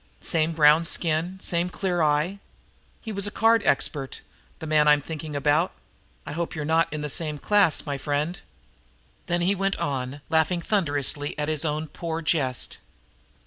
Same brown skin, same clear eye. He was a card expert, the man I'm thinking about. I hope you're not in the same class, my friend!" Then he went on, laughing thunderously at his own poor jest.